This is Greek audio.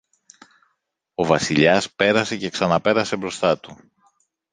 Ο Βασιλιάς πέρασε και ξαναπέρασε μπροστά του